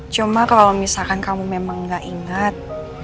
cuma kalau misalkan kamu memang gak ingat